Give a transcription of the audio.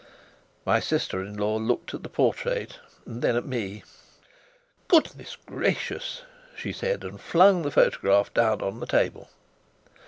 My sister in law looked at the portrait, and then at me. "Good gracious!" she said, and flung the photograph down on the table.